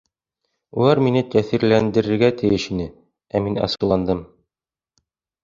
Улар мине тэьҫирләндерергә тейеш ине, э мин асыуландым...